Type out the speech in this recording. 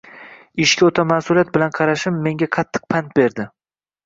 Ishga o'ta mas'uliyat bilan qarashim menga qattiq pand berdi